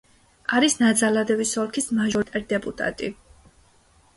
არის ნაძალადევის ოლქის მაჟორიტარი დეპუტატი.